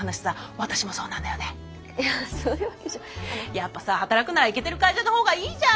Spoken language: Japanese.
やっぱさ働くならイケてる会社のほうがいいじゃん！